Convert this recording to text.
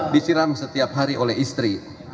disiram setiap hari oleh istri